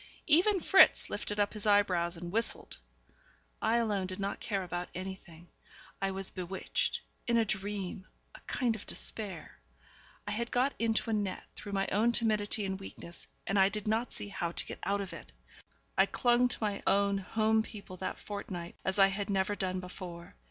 Even Fritz lifted up his eyebrows and whistled. I alone did not care about anything. I was bewitched, in a dream, a kind of despair. I had got into a net through my own timidity and weakness, and I did not see how to get out of it. I clung to my own home people that fortnight as I had never done before.